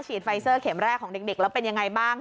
ไฟเซอร์เข็มแรกของเด็กแล้วเป็นยังไงบ้าง